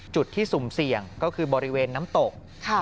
จุดที่สุ่มเสี่ยงก็คือบริเวณน้ำตก